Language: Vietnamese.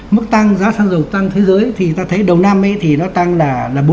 mức tăng giá sang dầu tăng thế giới thì ta thấy đầu năm thì nó tăng là bốn mươi bốn ba